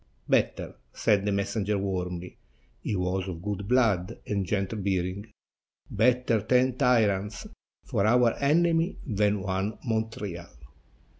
"Better," said the messenger warmly (he was of good blood and gentle bearing), "better ten tyrants for our enemy than one Montreal."